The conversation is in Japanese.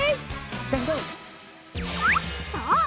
そう！